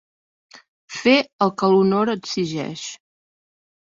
Fer el que l'honor exigeix.